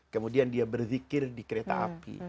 kemudian dia berzikir di kereta api